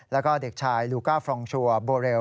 แล้วก็เด็กชายลูก้าฟรองชัวร์โบเรล